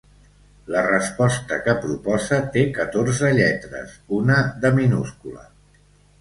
La resposta que proposa té catorze lletres: "una de minúscula".